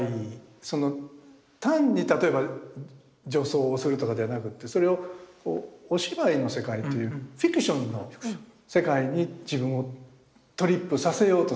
その単に例えば女装をするとかではなくってそれをお芝居の世界というフィクションの世界に自分をトリップさせようとするっていう。